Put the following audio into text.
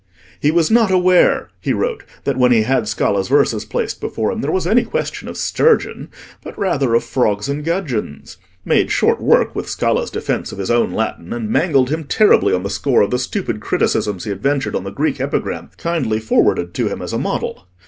He was not aware, he wrote, that when he had Scala's verses placed before him, there was any question of sturgeon, but rather of frogs and gudgeons: made short work with Scala's defence of his own Latin, and mangled him terribly on the score of the stupid criticisms he had ventured on the Greek epigram kindly forwarded to him as a model.